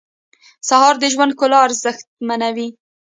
سهار د ژوند ښکلا ارزښتمنوي.